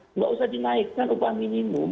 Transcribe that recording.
tidak usah dinaikkan upah minimum